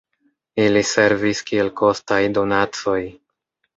Ili servis kiel kostaj donacoj.